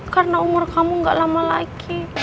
karena umur kamu gak lama lagi